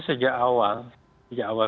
sejak awal sejak awal